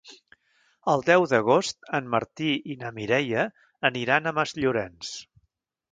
El deu d'agost en Martí i na Mireia aniran a Masllorenç.